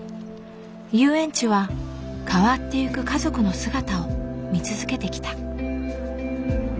遊園地は変わっていく家族の姿を見続けてきた。